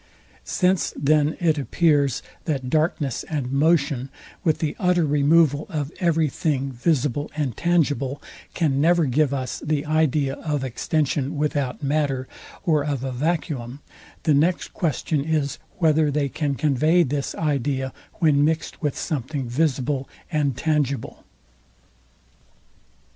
Since then it appears, that darkness and motion, with the utter removal of every thing visible and tangible, can never give us the idea of extension without matter, or of a vacuum; the next question is, whether they can convey this idea, when mixed with something visible and tangible?